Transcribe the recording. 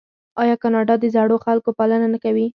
آیا کاناډا د زړو خلکو پالنه نه کوي؟